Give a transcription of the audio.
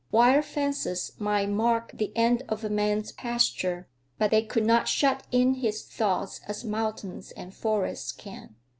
Wire fences might mark the end of a man's pasture, but they could not shut in his thoughts as mountains and forests can.